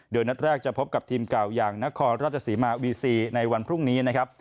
โดยนัดแรกจะพบกับทีมเก่าอย่างนครราชสีมาวีซีในวันพรุ่งนี้นะครับ